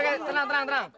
oke oke tenang tenang tenang